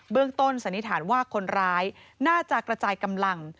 ต้นสันนิษฐานว่าคนร้ายน่าจะกระจายกำลัง